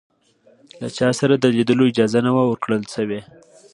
له چا سره د لیدلو اجازه نه وه ورکړل شوې.